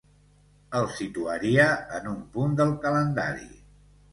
El situaria en un punt del calendari.